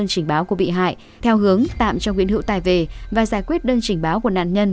hại theo hướng tạm cho nguyễn hữu tài về và giải quyết đơn chỉnh báo của nạn nhân